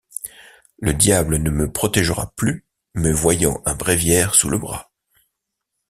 Le diable ne me protégera plus, me voyant un bréviaire sous le bras.